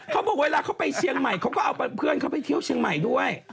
เขาบอกเวลาเขาไปเชียงใหม่เขาก็เอาเพื่อนเขาไปเที่ยวเชียงใหม่ด้วย